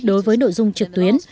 đối với nội dung trực tuyến